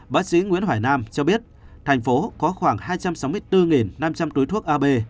bác sĩ nguyễn hỏi nam cho biết thành phố có khoảng hai trăm sáu mươi bốn năm trăm linh túi thuốc ab